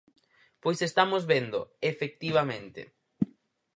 Pois estamos véndoo, efectivamente.